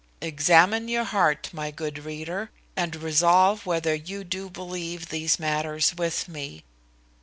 Examine your heart, my good reader, and resolve whether you do believe these matters with me.